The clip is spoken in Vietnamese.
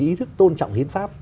ý thức tôn trọng hiến pháp